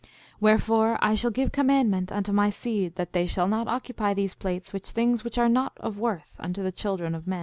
6:6 Wherefore, I shall give commandment unto my seed, that they shall not occupy these plates with things which are not of worth unto the children of men.